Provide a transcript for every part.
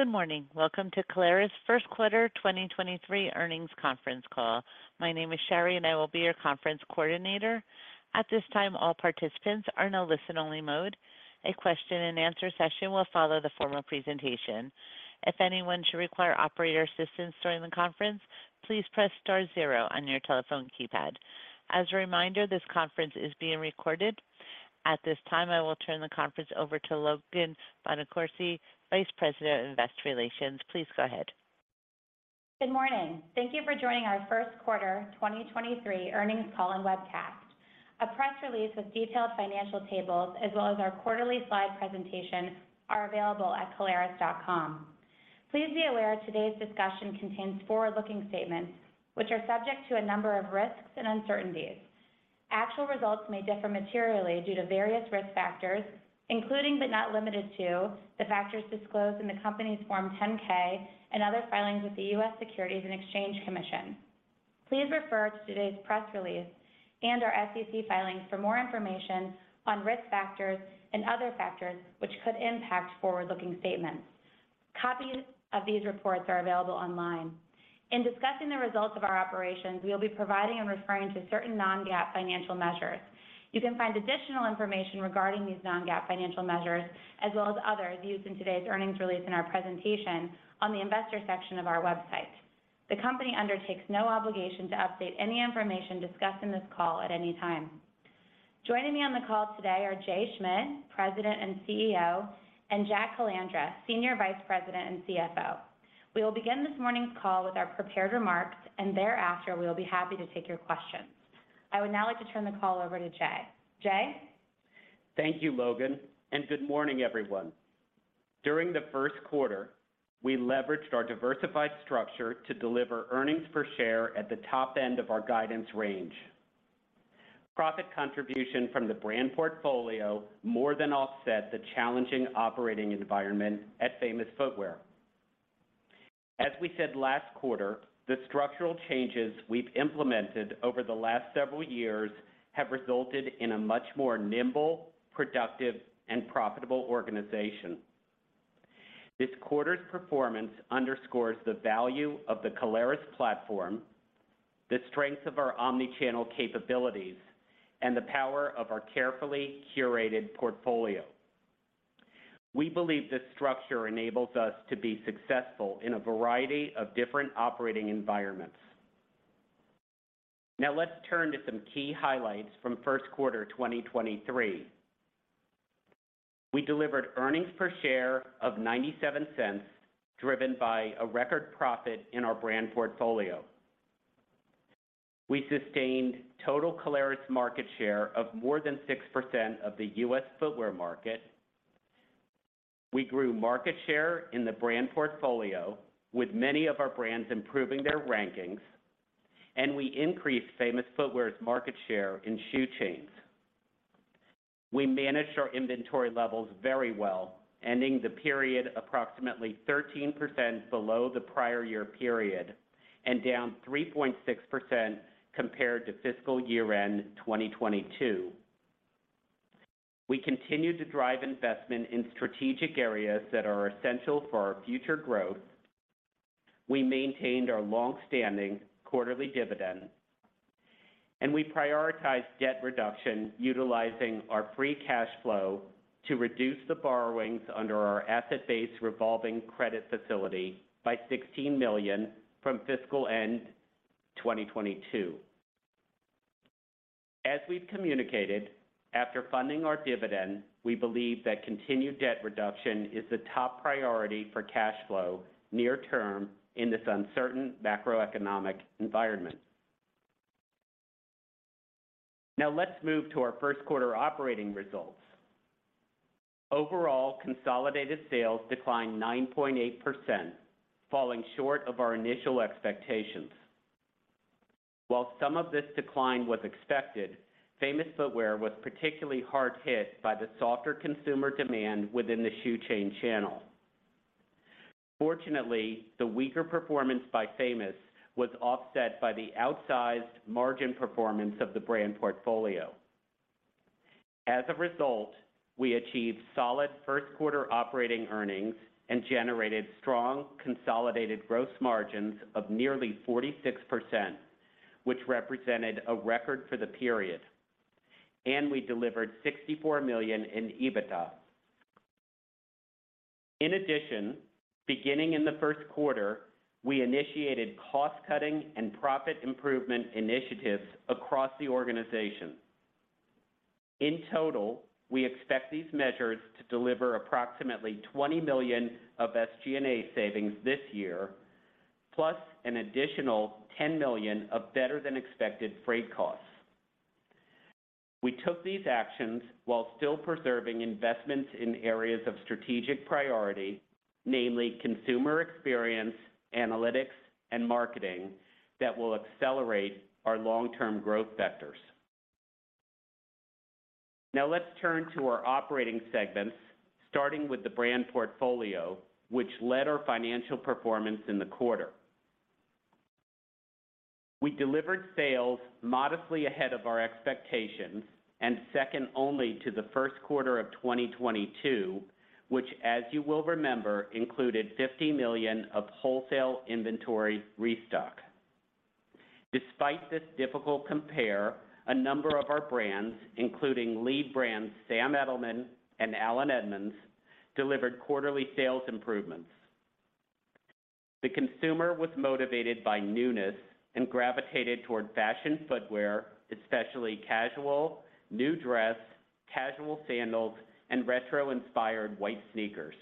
Good morning. Welcome to Caleres' First Quarter 2023 Earnings Conference Call. My name is Sherry, and I will be your conference coordinator. At this time, all participants are in a listen-only mode. A question and answer session will follow the formal presentation. If anyone should require operator assistance during the conference, please press star zero on your telephone keypad. As a reminder, this conference is being recorded. At this time, I will turn the conference over to Logan Bonacorsi, Vice President of Investor Relations. Please go ahead. Good morning. Thank you for joining our First Quarter 2023 Earnings Call and Webcast. A press release with detailed financial tables, as well as our quarterly slide presentation, are available at caleres.com. Please be aware today's discussion contains forward-looking statements which are subject to a number of risks and uncertainties. Actual results may differ materially due to various risk factors, including but not limited to, the factors disclosed in the company's Form 10-K and other filings with the U.S. Securities and Exchange Commission. Please refer to today's press release and our SEC filings for more information on risk factors and other factors which could impact forward-looking statements. Copies of these reports are available online. In discussing the results of our operations, we will be providing and referring to certain non-GAAP financial measures. You can find additional information regarding these non-GAAP financial measures, as well as others used in today's earnings release and our presentation on the Investor section of our website. The company undertakes no obligation to update any information discussed in this call at any time. Joining me on the call today are Jay Schmidt, President and CEO, and Jack Calandra, Senior Vice President and CFO. We will begin this morning's call with our prepared remarks. Thereafter, we will be happy to take your questions. I would now like to turn the call over to Jay. Jay? Thank you, Logan. Good morning, everyone. During the first quarter, we leveraged our diversified structure to deliver earnings per share at the top end of our guidance range. Profit contribution from the Brand Portfolio more than offset the challenging operating environment at Famous Footwear. As we said last quarter, the structural changes we've implemented over the last several years have resulted in a much more nimble, productive, and profitable organization. This quarter's performance underscores the value of the Caleres platform, the strength of our omni-channel capabilities, and the power of our carefully curated portfolio. We believe this structure enables us to be successful in a variety of different operating environments. Let's turn to some key highlights from first quarter 2023. We delivered earnings per share of $0.97, driven by a record profit in our Brand Portfolio. We sustained total Caleres market share of more than 6% of the U.S. footwear market. We grew market share in the Brand Portfolio with many of our brands improving their rankings, and we increased Famous Footwear's market share in shoe chains. We managed our inventory levels very well, ending the period approximately 13% below the prior year period, and down 3.6% compared to fiscal year end 2022. We continued to drive investment in strategic areas that are essential for our future growth. We maintained our long-standing quarterly dividend, and we prioritized debt reduction, utilizing our free cash flow to reduce the borrowings under our asset-based revolving credit facility by $16 million from fiscal end 2022. As we've communicated, after funding our dividend, we believe that continued debt reduction is the top priority for cash flow near term in this uncertain macroeconomic environment. Now let's move to our first quarter operating results. Overall, consolidated sales declined 9.8%, falling short of our initial expectations. While some of this decline was expected, Famous Footwear was particularly hard hit by the softer consumer demand within the shoe chain channel. Fortunately, the weaker performance by Famous was offset by the outsized margin performance of the Brand Portfolio. As a result, we achieved solid first quarter operating earnings and generated strong consolidated gross margins of nearly 46%, which represented a record for the period. We delivered $64 million in EBITDA. In addition, beginning in the first quarter, we initiated cost-cutting and profit improvement initiatives across the organization. In total, we expect these measures to deliver approximately $20 million of SG&A savings this year, plus an additional $10 million of better-than-expected freight costs. We took these actions while still preserving investments in areas of strategic priority, namely consumer experience, analytics, and marketing, that will accelerate our long-term growth vectors. Now let's turn to our operating segments, starting with the Brand Portfolio, which led our financial performance in the quarter. We delivered sales modestly ahead of our expectations, and second only to the first quarter of 2022, which as you will remember, included $50 million of wholesale inventory restock. Despite this difficult compare, a number of our brands, including lead brands, Sam Edelman and Allen Edmonds, delivered quarterly sales improvements. The consumer was motivated by newness and gravitated toward fashion footwear, especially casual, new dress, casual sandals, and retro-inspired white sneakers.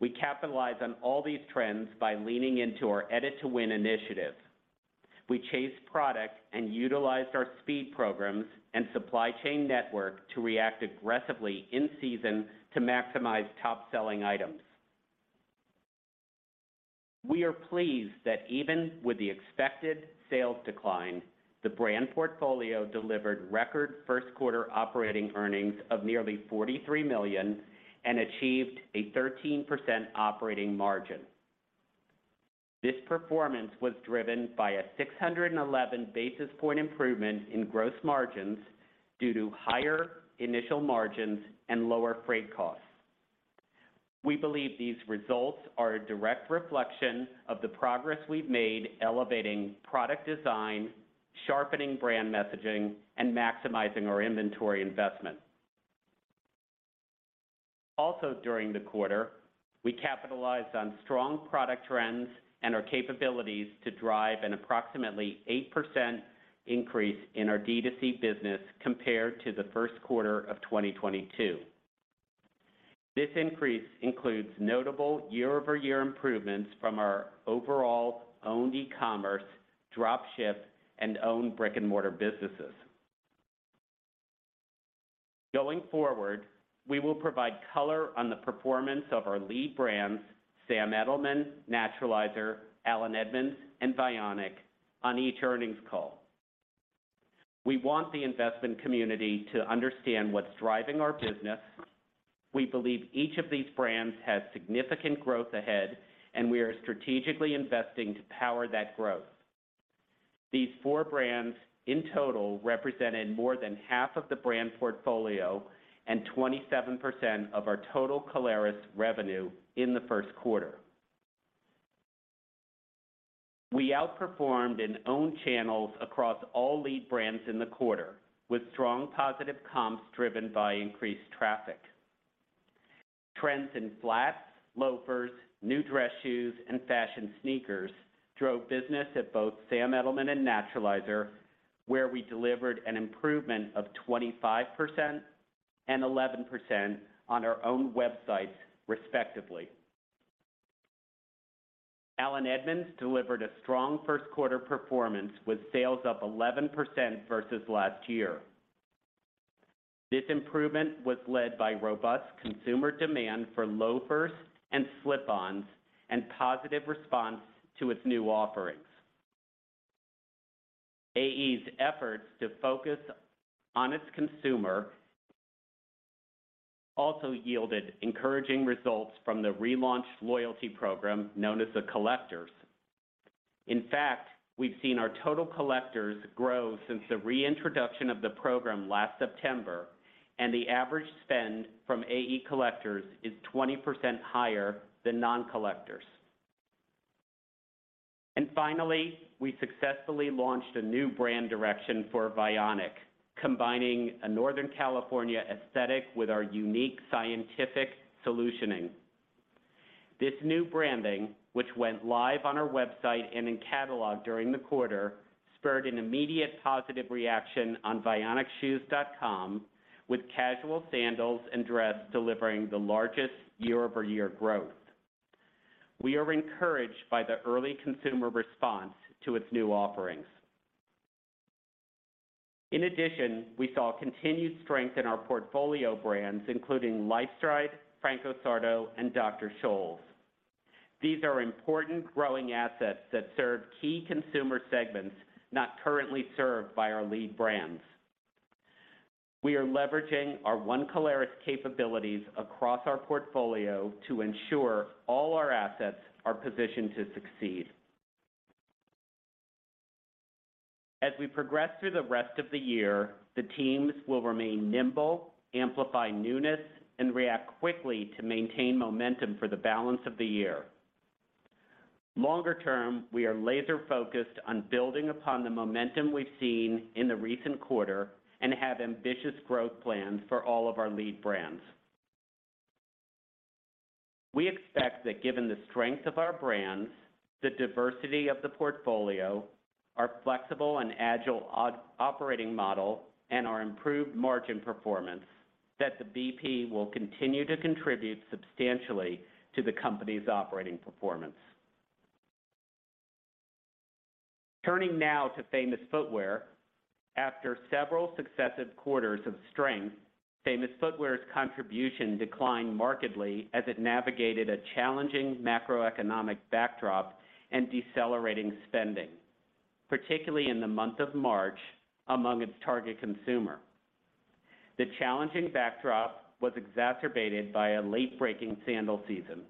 We capitalized on all these trends by leaning into our Edit to Win initiative. We chased product and utilized our speed programs and supply chain network to react aggressively in season to maximize top-selling items. We are pleased that even with the expected sales decline, the Brand Portfolio delivered record first quarter operating earnings of nearly $43 million and achieved a 13% operating margin. This performance was driven by a 611 basis point improvement in gross margins due to higher initial margins and lower freight costs. We believe these results are a direct reflection of the progress we've made elevating product design, sharpening brand messaging, and maximizing our inventory investment. Also, during the quarter, we capitalized on strong product trends and our capabilities to drive an approximately 8% increase in our D2C business compared to the first quarter of 2022. This increase includes notable year-over-year improvements from our overall owned e-commerce, drop ship, and owned brick-and-mortar businesses. Going forward, we will provide color on the performance of our lead brands, Sam Edelman, Naturalizer, Allen Edmonds, and Vionic on each earnings call. We want the investment community to understand what's driving our business. We believe each of these brands has significant growth ahead, and we are strategically investing to power that growth. These four brands in total, represented more than half of the Brand Portfolio and 27% of our total Caleres revenue in the first quarter. We outperformed in own channels across all lead brands in the quarter, with strong positive comps driven by increased traffic. Trends in flats, loafers, new dress shoes, and fashion sneakers drove business at both Sam Edelman and Naturalizer, where we delivered an improvement of 25% and 11% on our own websites, respectively. Allen Edmonds delivered a strong first quarter performance with sales up 11% versus last year. This improvement was led by robust consumer demand for loafers and slip-ons, and positive response to its new offerings. AE's efforts to focus on its consumer also yielded encouraging results from the relaunched loyalty program known as the Collectors. We've seen our total Collectors grow since the reintroduction of the program last September, and the average spend from AE Collectors is 20% higher than non-Collectors. Finally, we successfully launched a new brand direction for Vionic, combining a Northern California aesthetic with our unique scientific solutioning. This new branding, which went live on our website and in catalog during the quarter, spurred an immediate positive reaction on vionicshoes.com, with casual sandals and dress delivering the largest year-over-year growth. We are encouraged by the early consumer response to its new offerings. We saw continued strength in our portfolio brands including LifeStride, Franco Sarto, and Dr. Scholl's. These are important growing assets that serve key consumer segments not currently served by our lead brands. We are leveraging our One Caleres capabilities across our portfolio to ensure all our assets are positioned to succeed. As we progress through the rest of the year, the teams will remain nimble, amplify newness, and react quickly to maintain momentum for the balance of the year. Longer term, we are laser focused on building upon the momentum we've seen in the recent quarter and have ambitious growth plans for all of our lead brands. We expect that given the strength of our brands, the diversity of the portfolio, our flexible and agile operating model, and our improved margin performance, that the BP will continue to contribute substantially to the company's operating performance. Turning now to Famous Footwear. After several successive quarters of strength, Famous Footwear's contribution declined markedly as it navigated a challenging macroeconomic backdrop and decelerating spending, particularly in the month of March among its target consumer. The challenging backdrop was exacerbated by a late-breaking sandal season.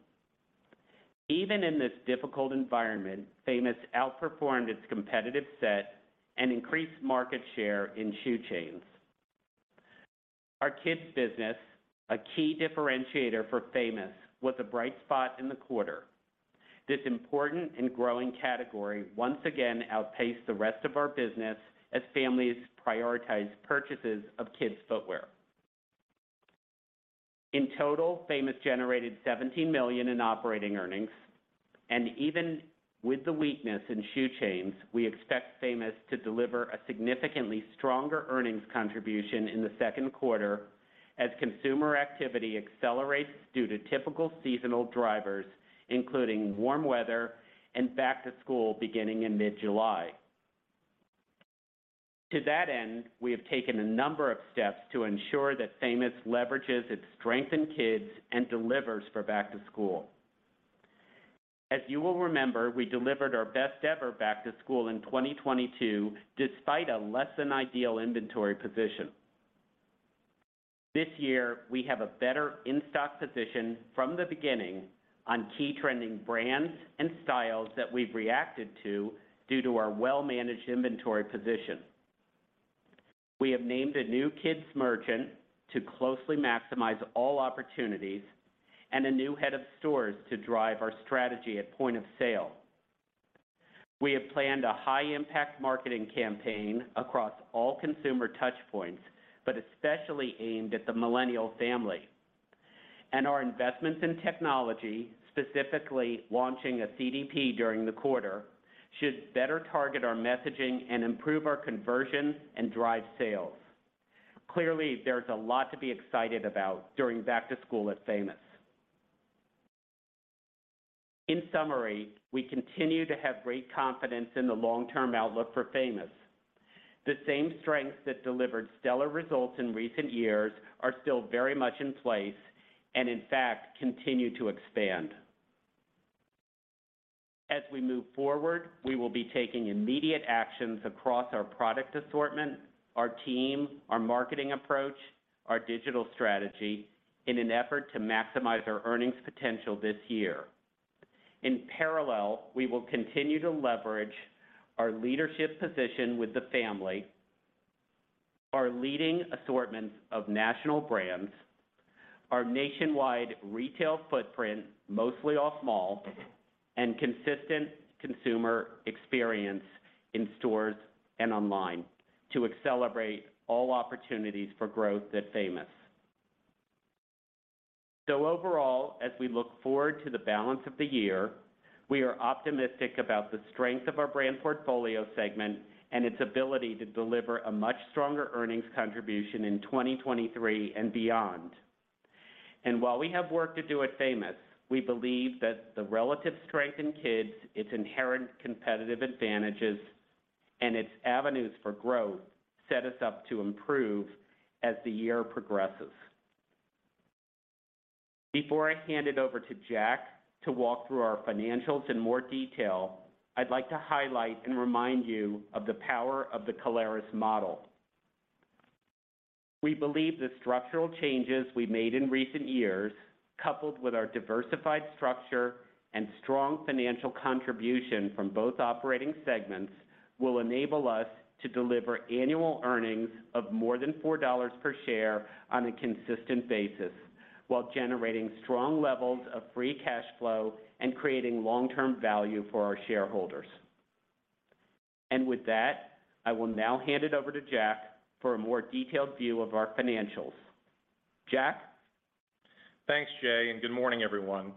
Even in this difficult environment, Famous outperformed its competitive set and increased market share in shoe chains. Our kids business, a key differentiator for Famous, was a bright spot in the quarter. This important and growing category once again outpaced the rest of our business as families prioritized purchases of kids' footwear. In total, Famous generated $17 million in operating earnings. Even with the weakness in shoe chains, we expect Famous to deliver a significantly stronger earnings contribution in the second quarter as consumer activity accelerates due to typical seasonal drivers, including warm weather and back to school, beginning in mid-July. To that end, we have taken a number of steps to ensure that Famous leverages its strength in kids and delivers for back to school. As you will remember, we delivered our best ever back to school in 2022, despite a less than ideal inventory position. This year, we have a better in-stock position from the beginning on key trending brands and styles that we've reacted to due to our well-managed inventory position. We have named a new kids merchant to closely maximize all opportunities and a new head of stores to drive our strategy at point of sale. We have planned a high-impact marketing campaign across all consumer touch points, but especially aimed at the millennial family. Our investments in technology, specifically launching a CDP during the quarter, should better target our messaging and improve our conversion and drive sales. Clearly, there's a lot to be excited about during back to school at Famous. In summary, we continue to have great confidence in the long-term outlook for Famous. The same strengths that delivered stellar results in recent years are still very much in place and in fact, continue to expand. As we move forward, we will be taking immediate actions across our product assortment, our team, our marketing approach, our digital strategy, in an effort to maximize our earnings potential this year. In parallel, we will continue to leverage our leadership position with the family, our leading assortments of national brands, our nationwide retail footprint, mostly off small, and consistent consumer experience in stores and online to accelerate all opportunities for growth at Famous. Overall, as we look forward to the balance of the year, we are optimistic about the strength of our Brand Portfolio segment and its ability to deliver a much stronger earnings contribution in 2023 and beyond. While we have work to do at Famous, we believe that the relative strength in kids, its inherent competitive advantages, and its avenues for growth, set us up to improve as the year progresses. Before I hand it over to Jack to walk through our financials in more detail, I'd like to highlight and remind you of the power of the Caleres model. We believe the structural changes we made in recent years, coupled with our diversified structure and strong financial contribution from both operating segments, will enable us to deliver annual earnings of more than $4 per share on a consistent basis, while generating strong levels of free cash flow and creating long-term value for our shareholders. With that, I will now hand it over to Jack for a more detailed view of our financials. Jack? Thanks, Jay. Good morning, everyone.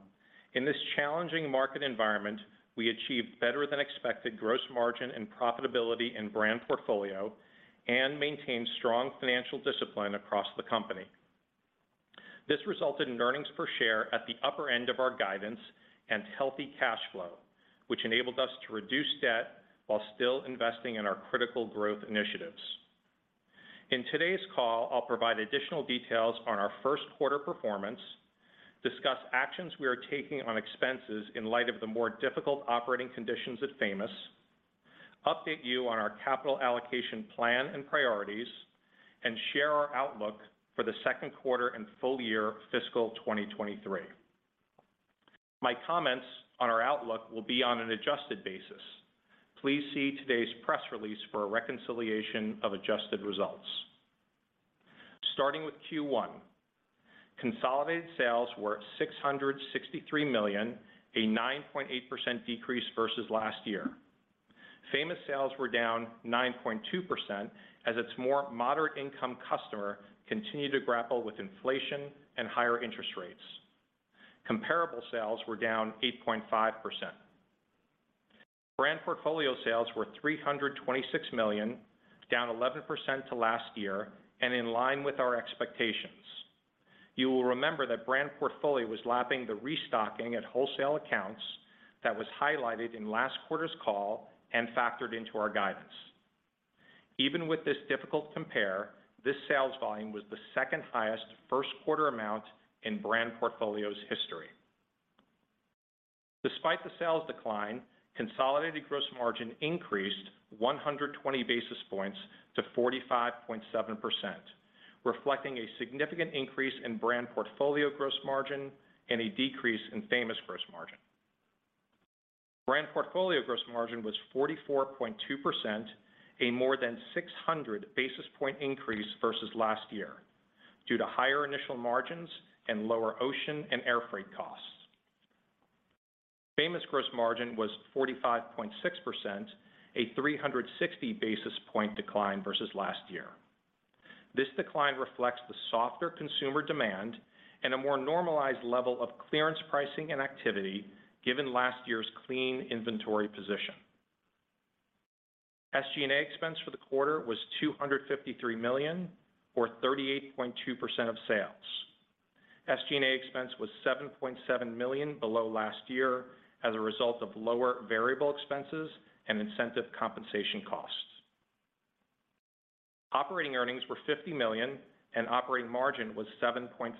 In this challenging market environment, we achieved better than expected gross margin and profitability in Brand Portfolio, maintained strong financial discipline across the company. This resulted in earnings per share at the upper end of our guidance and healthy cash flow, which enabled us to reduce debt while still investing in our critical growth initiatives. In today's call, I'll provide additional details on our first quarter performance, discuss actions we are taking on expenses in light of the more difficult operating conditions at Famous, update you on our capital allocation plan and priorities, and share our outlook for the second quarter and full year fiscal 2023. My comments on our outlook will be on an adjusted basis. Please see today's press release for a reconciliation of adjusted results. Starting with Q1, consolidated sales were at $663 million, a 9.8% decrease versus last year. Famous sales were down 9.2%, as its more moderate income customer continued to grapple with inflation and higher interest rates. Comparable sales were down 8.5%. Brand Portfolio sales were $326 million, down 11% to last year, and in line with our expectations. You will remember that Brand Portfolio was lapping the restocking at wholesale accounts that was highlighted in last quarter's call and factored into our guidance. Even with this difficult compare, this sales volume was the second highest first quarter amount in Brand Portfolio's history.... Despite the sales decline, consolidated gross margin increased 120 basis points to 45.7%, reflecting a significant increase in Brand Portfolio gross margin and a decrease in Famous gross margin. Brand Portfolio gross margin was 44.2%, a more than 600 basis point increase versus last year, due to higher initial margins and lower ocean and air freight costs. Famous gross margin was 45.6%, a 360 basis point decline versus last year. This decline reflects the softer consumer demand and a more normalized level of clearance pricing and activity, given last year's clean inventory position. SG&A expense for the quarter was $253 million, or 38.2% of sales. SG&A expense was $7.7 million below last year as a result of lower variable expenses and incentive compensation costs. Operating earnings were $50 million, and operating margin was 7.5%.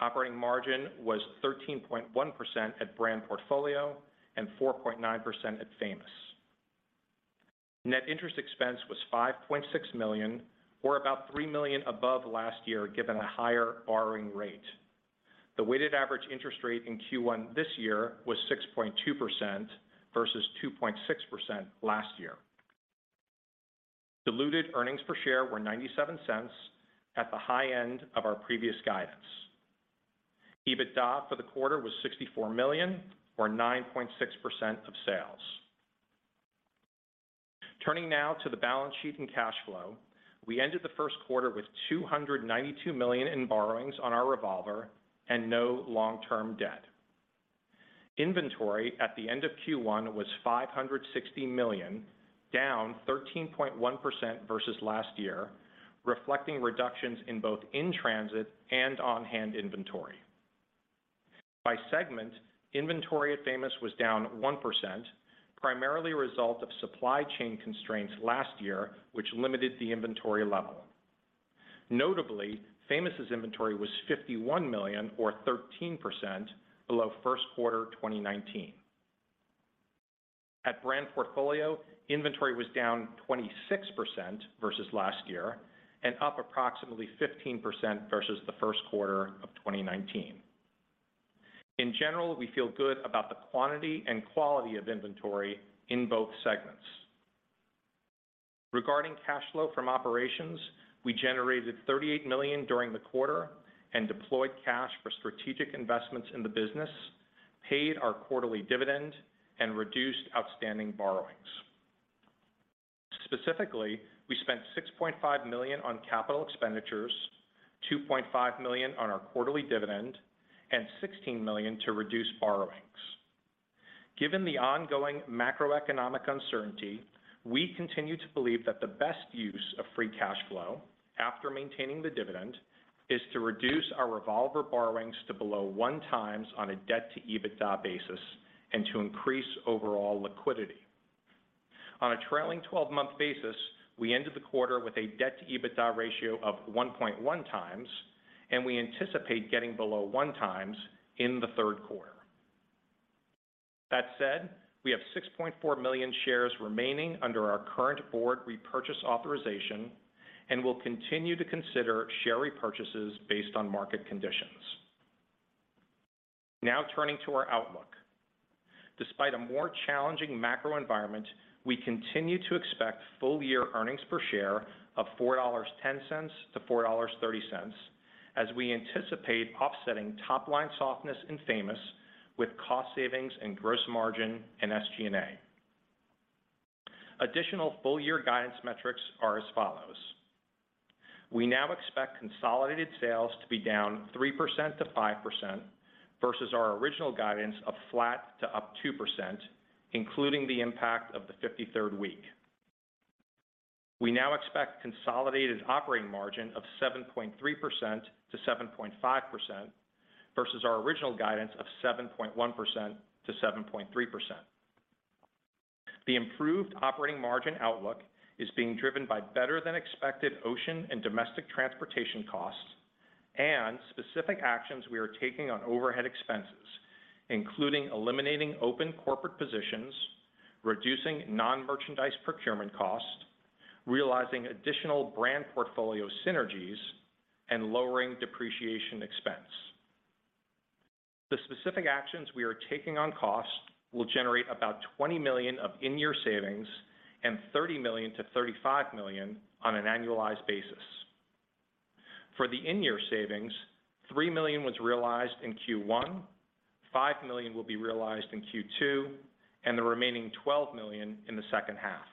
Operating margin was 13.1% at Brand Portfolio and 4.9% at Famous. Net interest expense was $5.6 million, or about $3 million above last year, given a higher borrowing rate. The weighted average interest rate in Q1 this year was 6.2% versus 2.6% last year. Diluted earnings per share were $0.97 at the high end of our previous guidance. EBITDA for the quarter was $64 million or 9.6% of sales. Turning now to the balance sheet and cash flow. We ended the first quarter with $292 million in borrowings on our revolver and no long-term debt. Inventory at the end of Q1 was $560 million, down 13.1% versus last year, reflecting reductions in both in-transit and on-hand inventory. By segment, inventory at Famous was down 1%, primarily a result of supply chain constraints last year, which limited the inventory level. Notably, Famous's inventory was $51 million or 13% below first quarter 2019. At Brand Portfolio, inventory was down 26% versus last year and up approximately 15% versus the first quarter of 2019. In general, we feel good about the quantity and quality of inventory in both segments. Regarding cash flow from operations, we generated $38 million during the quarter and deployed cash for strategic investments in the business, paid our quarterly dividend, and reduced outstanding borrowings. Specifically, we spent $6.5 million on capital expenditures, $2.5 million on our quarterly dividend, and $16 million to reduce borrowings. Given the ongoing macroeconomic uncertainty, we continue to believe that the best use of free cash flow, after maintaining the dividend, is to reduce our revolver borrowings to below 1 times on a debt-to-EBITDA basis and to increase overall liquidity. On a trailing twelve-month basis, we ended the quarter with a debt-to-EBITDA ratio of 1.1 times, and we anticipate getting below 1 times in the third quarter. That said, we have 6.4 million shares remaining under our current board repurchase authorization and will continue to consider share repurchases based on market conditions. Now turning to our outlook. Despite a more challenging macro environment, we continue to expect full-year earnings per share of $4.10-$4.30, as we anticipate offsetting top-line softness in Famous with cost savings and gross margin in SG&A. Additional full-year guidance metrics are as follows: We now expect consolidated sales to be down 3%-5% versus our original guidance of flat to up 2%, including the impact of the 53rd week. We now expect consolidated operating margin of 7.3%-7.5% versus our original guidance of 7.1%-7.3%. The improved operating margin outlook is being driven by better than expected ocean and domestic transportation costs and specific actions we are taking on overhead expenses, including eliminating open corporate positions, reducing non-merchandise procurement costs, realizing additional Brand Portfolio synergies, and lowering depreciation expense. The specific actions we are taking on cost will generate about $20 million of in-year savings and $30 million-$35 million on an annualized basis. For the in-year savings, $3 million was realized in Q1, $5 million will be realized in Q2, and the remaining $12 million in the second half.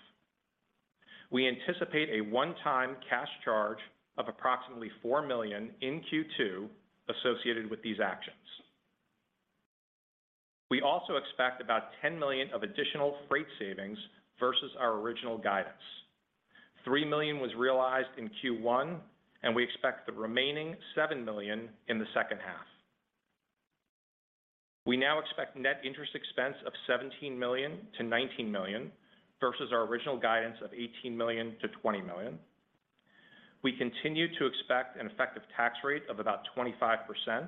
We anticipate a one-time cash charge of approximately $4 million in Q2 associated with these actions. We also expect about $10 million of additional freight savings versus our original guidance. $3 million was realized in Q1, and we expect the remaining $7 million in the second half. We now expect net interest expense of $17 million-$19 million versus our original guidance of $18 million-$20 million. We continue to expect an effective tax rate of about 25%.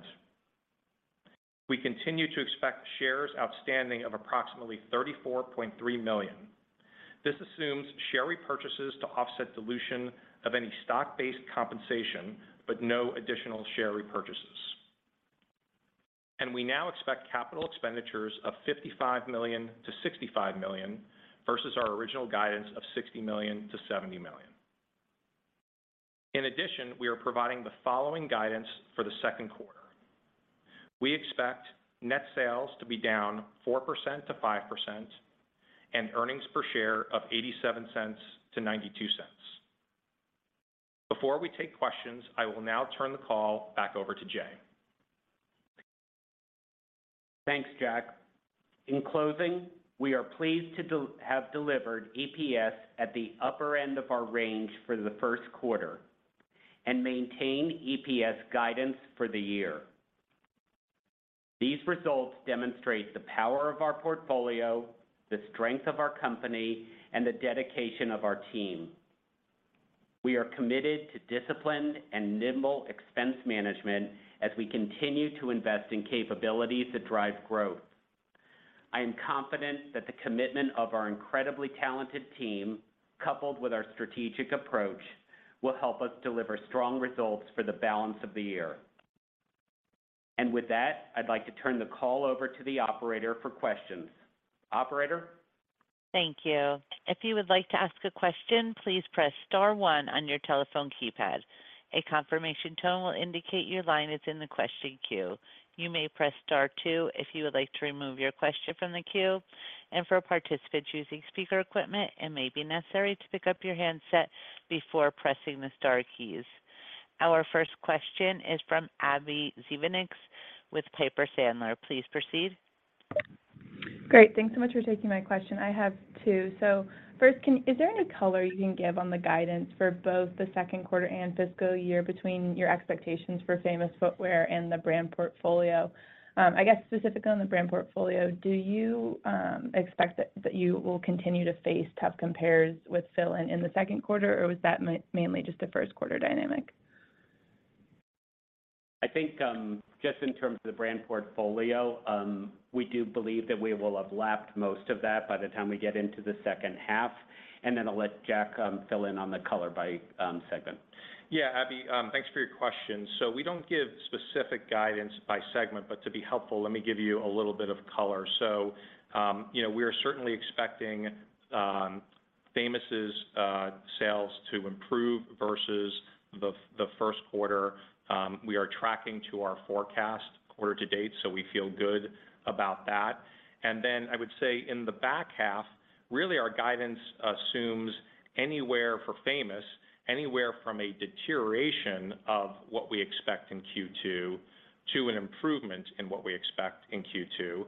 We continue to expect shares outstanding of approximately 34.3 million. This assumes share repurchases to offset dilution of any stock-based compensation, but no additional share repurchases. We now expect capital expenditures of $55 million-$65 million, versus our original guidance of $60 million-$70 million. In addition, we are providing the following guidance for the second quarter: We expect net sales to be down 4%-5% and earnings per share of $0.87-$0.92. Before we take questions, I will now turn the call back over to Jay. Thanks, Jack. In closing, we are pleased to have delivered EPS at the upper end of our range for the first quarter and maintain EPS guidance for the year. These results demonstrate the power of our portfolio, the strength of our company, and the dedication of our team. We are committed to disciplined and nimble expense management as we continue to invest in capabilities that drive growth. I am confident that the commitment of our incredibly talented team, coupled with our strategic approach, will help us deliver strong results for the balance of the year. With that, I'd like to turn the call over to the operator for questions. Operator? Thank you. If you would like to ask a question, please press star one on your telephone keypad. A confirmation tone will indicate your line is in the question queue. You may press star two if you would like to remove your question from the queue. For participants using speaker equipment, it may be necessary to pick up your handset before pressing the star keys. Our first question is from Abbie Zvejnieks with Piper Sandler. Please proceed. Great. Thanks so much for taking my question. I have two. First, is there any color you can give on the guidance for both the second quarter and fiscal year between your expectations for Famous Footwear and the Brand Portfolio? I guess, specifically on the Brand Portfolio, do you expect that you will continue to face tough compares with fill in in the second quarter, or was that mainly just a first quarter dynamic? I think, just in terms of the Brand Portfolio, we do believe that we will have lapped most of that by the time we get into the second half, and then I'll let Jack fill in on the color by segment. Yeah, Abbie, thanks for your question. We don't give specific guidance by segment, but to be helpful, let me give you a little bit of color. You know, we are certainly expecting Famous's sales to improve versus the first quarter. We are tracking to our forecast quarter to date, so we feel good about that. I would say in the back half, really, our guidance assumes anywhere for Famous, anywhere from a deterioration of what we expect in Q2 to an improvement in what we expect in Q2.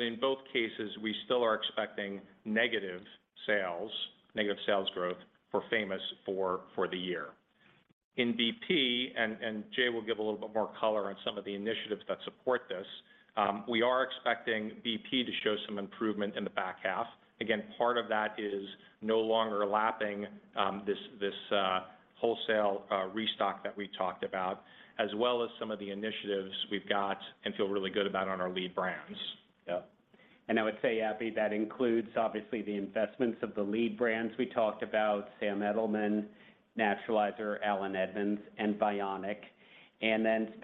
In both cases, we still are expecting negative sales, negative sales growth for [Famous Footwear] for the year. In BP, and Jay will give a little bit more color on some of the initiatives that support this, we are expecting BP to show some improvement in the back half. Again, part of that is no longer lapping this wholesale restock that we talked about, as well as some of the initiatives we've got and feel really good about on our lead brands. I would say, Abbie, that includes, obviously, the investments of the lead brands we talked about, Sam Edelman, Naturalizer, Allen Edmonds, and Vionic.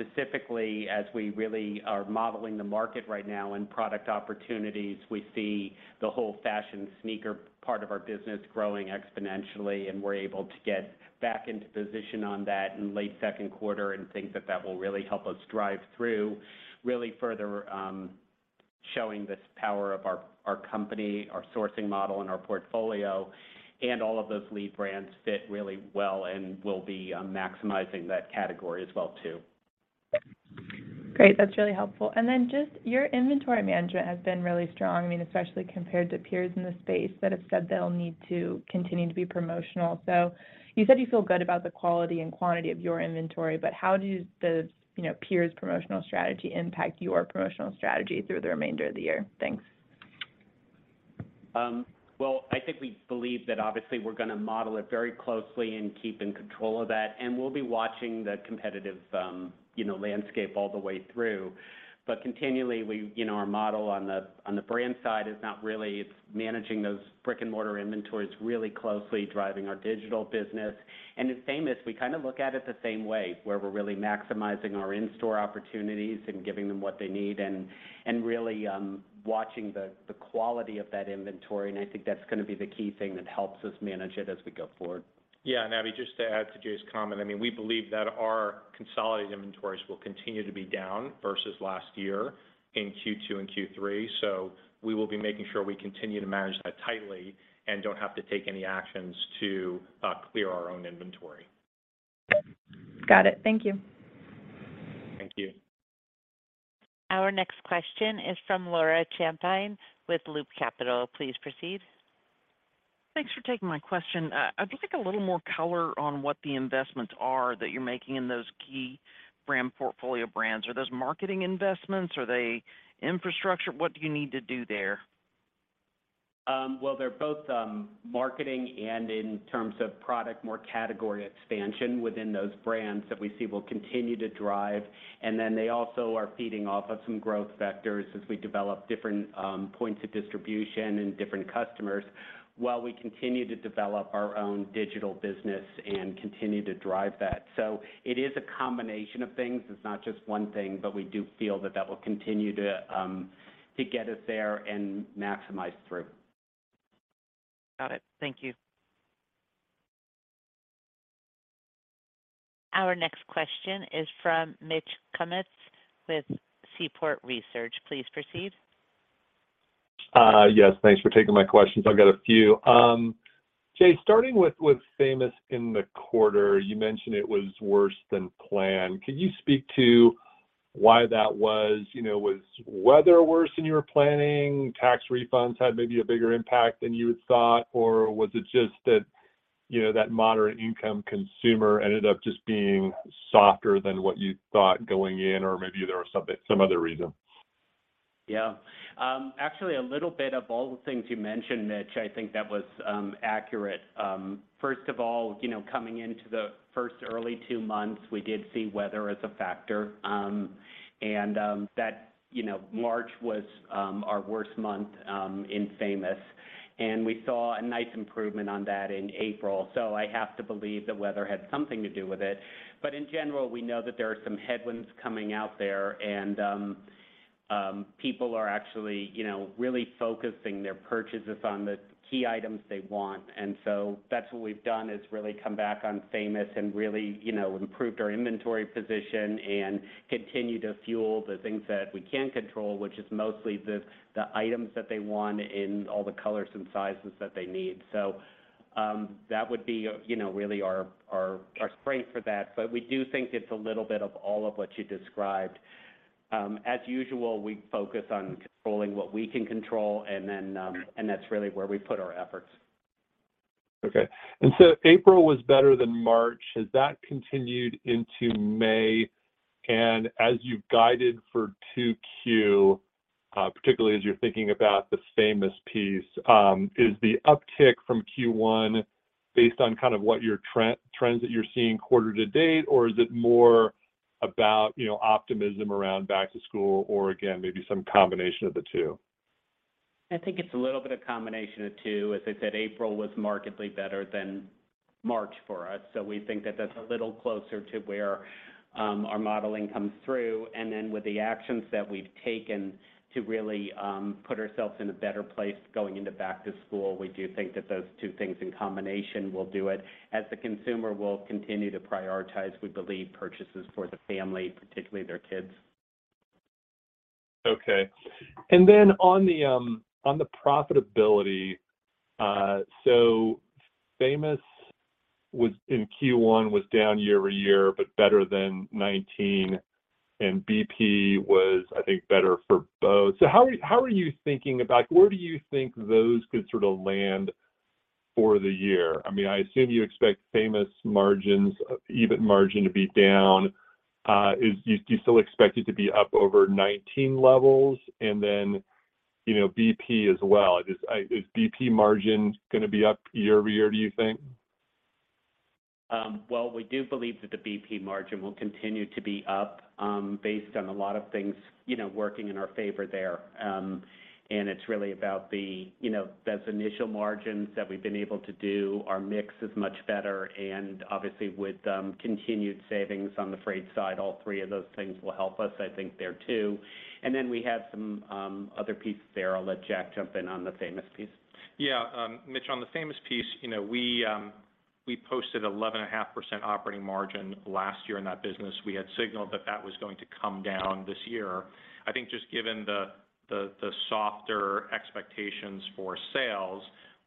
Specifically, as we really are modeling the market right now and product opportunities, we see the whole fashion sneaker part of our business growing exponentially, and we're able to get back into position on that in late second quarter and think that that will really help us drive through really further, showing this power of our company, our sourcing model, and our portfolio. All of those lead brands fit really well and will be maximizing that category as well, too. Great. That's really helpful. Just your inventory management has been really strong, I mean, especially compared to peers in the space that have said they'll need to continue to be promotional. You said you feel good about the quality and quantity of your inventory, but how do the, you know, peers' promotional strategy impact your promotional strategy through the remainder of the year? Thanks. Well, I think we believe that obviously we're gonna model it very closely and keep in control of that, and we'll be watching the competitive, you know, landscape all the way through. Continually, you know, our model on the, on the brand side is not really managing those brick-and-mortar inventories really closely, driving our digital business. In Famous, we kind of look at it the same way, where we're really maximizing our in-store opportunities and giving them what they need and really, watching the quality of that inventory. I think that's gonna be the key thing that helps us manage it as we go forward. Yeah, Abbie, just to add to Jay's comment, I mean, we believe that our consolidated inventories will continue to be down versus last year in Q2 and Q3. We will be making sure we continue to manage that tightly and don't have to take any actions to clear our own inventory. Got it. Thank you. Thank you. Our next question is from Laura Champine with Loop Capital. Please proceed. Thanks for taking my question. I'd like a little more color on what the investments are that you're making in those key Brand Portfolio brands. Are those marketing investments? Are they infrastructure? What do you need to do there? Well, they're both marketing and in terms of product, more category expansion within those brands that we see will continue to drive. They also are feeding off of some growth vectors as we develop different points of distribution and different customers, while we continue to develop our own digital business and continue to drive that. It is a combination of things. It's not just one thing, we do feel that that will continue to get us there and maximize through. Got it. Thank you. Our next question is from Mitch Kummetz with Seaport Research. Please proceed. Yes, thanks for taking my questions. I've got a few. Jay, starting with Famous in the quarter, you mentioned it was worse than planned. Could you speak to why that was? You know, was weather worse than you were planning, tax refunds had maybe a bigger impact than you had thought? Was it just that, you know, that moderate income consumer ended up just being softer than what you thought going in, or maybe there was some other reason? Yeah. Actually, a little bit of all the things you mentioned, Mitch, I think that was accurate. First of all, you know, coming into the first early two months, we did see weather as a factor, and that, you know, March was our worst month in Famous, and we saw a nice improvement on that in April. I have to believe that weather had something to do with it. In general, we know that there are some headwinds coming out there, and people are actually, you know, really focusing their purchases on the key items they want. That's what we've done, is really come back on Famous and really, you know, improved our inventory position and continue to fuel the things that we can control, which is mostly the items that they want in all the colors and sizes that they need. That would be, you know, really our spray for that. We do think it's a little bit of all of what you described. As usual, we focus on controlling what we can control, and then that's really where we put our efforts. Okay. April was better than March. Has that continued into May? As you've guided for 2Q, particularly as you're thinking about the Famous piece, is the uptick from Q1 based on kind of what your trends that you're seeing quarter to date? Or is it more about, you know, optimism around back to school, or again, maybe some combination of the two? I think it's a little bit of combination of two. As I said, April was markedly better than March for us. We think that that's a little closer to where our modeling comes through. With the actions that we've taken to really put ourselves in a better place going into back to school, we do think that those two things in combination will do it, as the consumer will continue to prioritize, we believe, purchases for the family, particularly their kids. Okay. On the profitability, so Famous in Q1, was down year-over-year, but better than 2019, and BP was, I think, better for both. How are you thinking about where do you think those could sort of land for the year? I mean, I assume you expect Famous margins, EBITDA margin to be down. Do you still expect it to be up over 2019 levels? You know, BP as well. Is BP margin gonna be up year-over-year, do you think? Well, we do believe that the BP margin will continue to be up, based on a lot of things, you know, working in our favor there. It's really about the, you know, those initial margins that we've been able to do. Our mix is much better, obviously, with continued savings on the freight side, all three of those things will help us, I think, there, too. We have some other pieces there. I'll let Jack jump in on the Famous piece. Yeah, Mitch, on the Famous piece, you know, we posted 11.5% operating margin last year in that business. We had signaled that that was going to come down this year. I think just given the softer expectations for sales,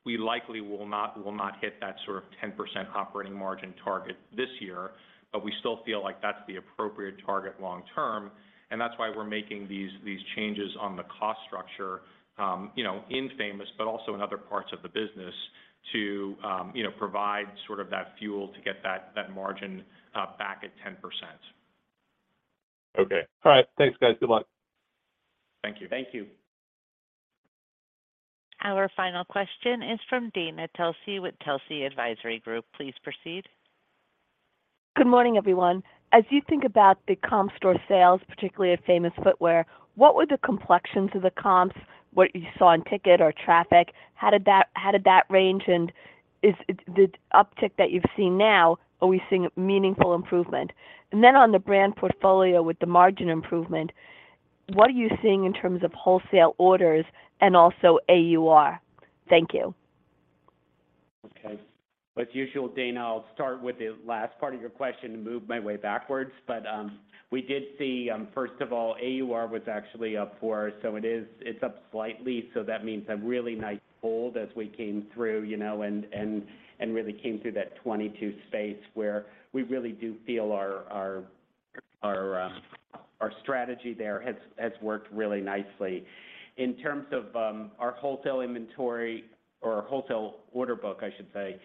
we likely will not hit that sort of 10% operating margin target this year, but we still feel like that's the appropriate target long term, and that's why we're making these changes on the cost structure, you know, in Famous, but also in other parts of the business, to, you know, provide sort of that fuel to get that margin back at 10%. Okay. All right. Thanks, guys. Good luck. Thank you. Thank you. Our final question is from Dana Telsey with Telsey Advisory Group. Please proceed. Good morning, everyone. As you think about the comp store sales, particularly at Famous Footwear, what were the complexions of the comps, what you saw in ticket or traffic? How did that range, and is, the uptick that you've seen now, are we seeing a meaningful improvement? Then on the Brand Portfolio with the margin improvement, what are you seeing in terms of wholesale orders and also AUR? Thank you. Okay. As usual, Dana, I'll start with the last part of your question and move my way backwards. We did see, first of all, AUR was actually up for us, so it's up slightly, so that means a really nice fold as we came through, you know, and, and really came through that 2022 space, where we really do feel our, our strategy there has worked really nicely. In terms of our wholesale order book, I should say,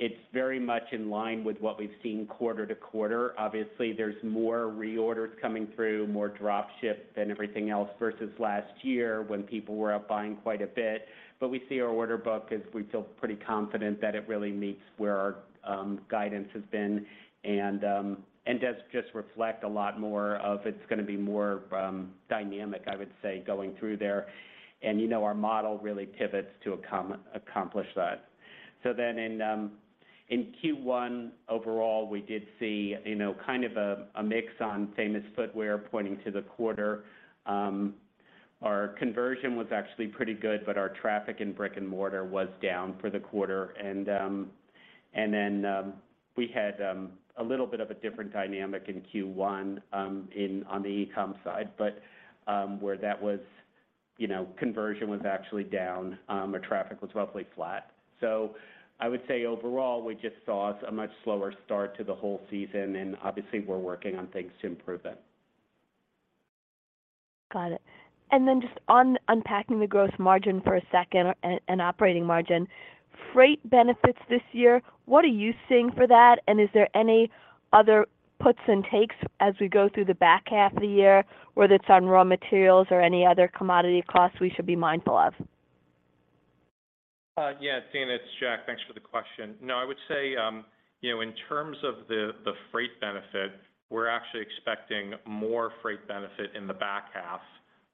it's very much in line with what we've seen quarter-to-quarter. Obviously, there's more reorders coming through, more drop ship than everything else, versus last year when people were out buying quite a bit. We see our order book as we feel pretty confident that it really meets where our guidance has been and does just reflect a lot more of it's gonna be more dynamic, I would say, going through there. You know, our model really pivots to accomplish that. In Q1 overall, we did see, you know, kind of a mix on Famous Footwear pointing to the quarter. Our conversion was actually pretty good, but our traffic in brick-and-mortar was down for the quarter. We had a little bit of a different dynamic in Q1 in on the e-com side, but where that was, you know, conversion was actually down, our traffic was roughly flat. I would say overall, we just saw a much slower start to the whole season, and obviously we're working on things to improve it. Got it. Then just on unpacking the gross margin for a second and operating margin. Freight benefits this year, what are you seeing for that? Is there any other puts and takes as we go through the back half of the year, whether it's on raw materials or any other commodity costs we should be mindful of? Yeah, Dana, it's Jack. Thanks for the question. I would say, you know, in terms of the freight benefit, we're actually expecting more freight benefit in the back half.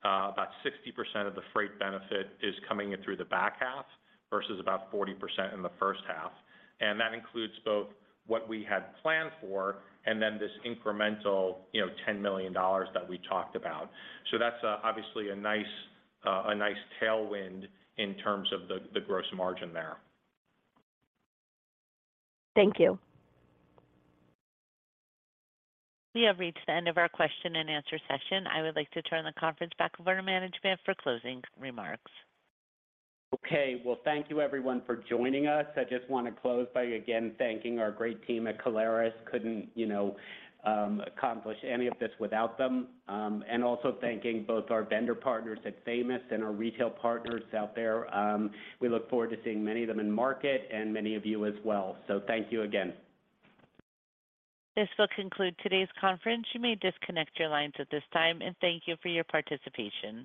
About 60% of the freight benefit is coming in through the back half versus about 40% in the first half. That includes both what we had planned for and then this incremental, you know, $10 million that we talked about. That's obviously a nice tailwind in terms of the gross margin there. Thank you. We have reached the end of our question and answer session. I would like to turn the conference back over to management for closing remarks. Okay. Well, thank you everyone for joining us. I just wanna close by again, thanking our great team at Caleres. Couldn't, you know, accomplish any of this without them. Also thanking both our vendor partners at Famous and our retail partners out there. We look forward to seeing many of them in market and many of you as well. Thank you again. This will conclude today's conference. You may disconnect your lines at this time. Thank you for your participation.